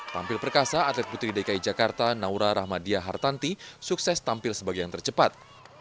tampil perkasa atlet putri dki jakarta naura rahmadia hartanti sukses tampil sebagai yang tercepat